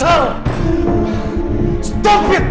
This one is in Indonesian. yang masih bagus